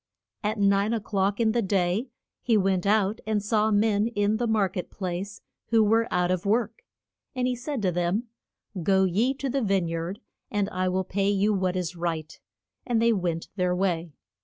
At nine o'clock in the day he went out and saw men in the mar ket place who were out of work, and he said to them, Go ye to the vine yard, and I will pay you what is right. And they went their way.